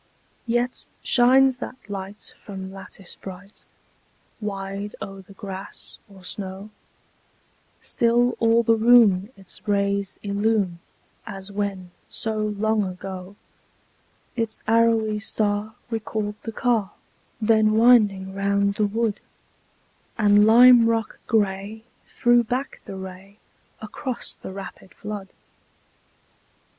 Yet shines that light from lattice bright, Wide o'er the grass, or snow; Still all the room its rays illume, As when, so long ago, Its arrowy star recalled the car Then winding round the wood, And lime rock gray threw back the ray Across the rapid flood.